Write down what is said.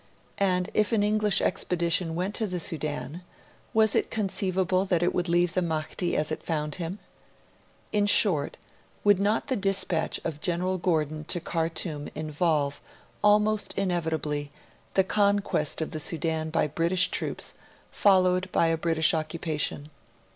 And, if an English expedition went to the Sudan, was it conceivable that it would leave the Mahdi as it found him? In short, would not the dispatch of General Gordon to Khartoum involve, almost inevitably, the conquest of the Sudan by British troops, followed by a British occupation?